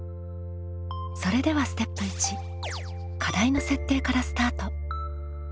それではステップ１課題の設定からスタート。